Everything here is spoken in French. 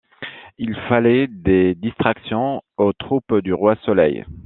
Il fallait des distractions aux troupes du Roi-Soleil.